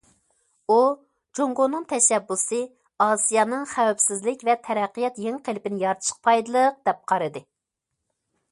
ئۇ: جۇڭگونىڭ تەشەببۇسى ئاسىيانىڭ خەۋپسىزلىك ۋە تەرەققىيات يېڭى قېلىپىنى يارىتىشقا پايدىلىق، دەپ قارىدى.